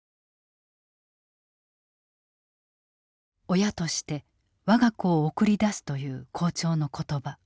親として我が子を送り出すという校長の言葉。